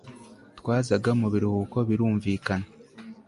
twazaga mubiruhuko birumvikana